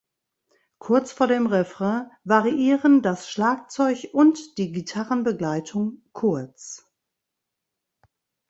Kurz vor dem Refrain variieren das Schlagzeug und die Gitarrenbegleitung kurz.